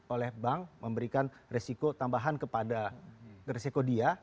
oleh bank memberikan risiko tambahan kepada risiko dia